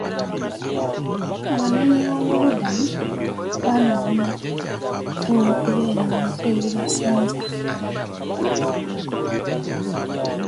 Abanoonyiboobubudamu banoonya ew'okubeera mu nsi ezibasenza.